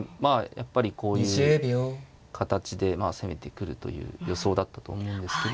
やっぱりこういう形で攻めてくるという予想だったと思うんですけど。